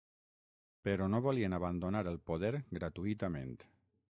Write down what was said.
Però no volien abandonar el poder gratuïtament.